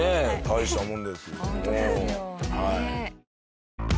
大したもんですよ。